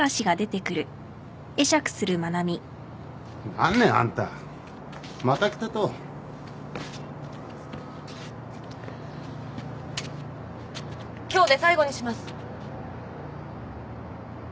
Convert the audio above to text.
・何ねあんたまた来たと。今日で最後にします。